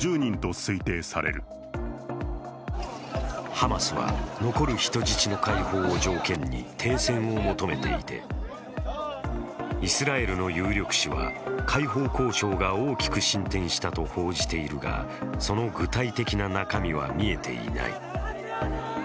ハマスは残る人質の解放を条件に停戦を求めていてイスラエルの有力紙は解放交渉が大きく進展したと報じているがその具体的な中身は見えていない。